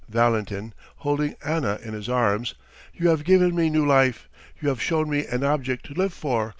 . VALENTIN (holding ANNA in his arms): You have given me new life! You have shown me an object to live for!